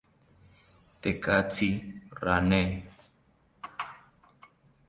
Tekatzi rane